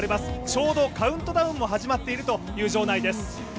ちょうどカウントダウンも始まっているという場内です。